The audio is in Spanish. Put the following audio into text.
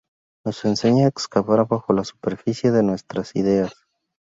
Nos enseña a excavar bajo la superficie de nuestras ideas.